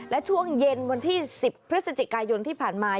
และช่วงเย็นวันที่๑๐พฤศจิกายนที่ผ่านมา